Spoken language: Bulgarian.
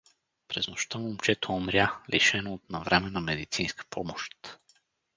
През нощта момчето умря, лишено от навременна медицинска помощ.